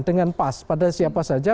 dengan pas pada siapa saja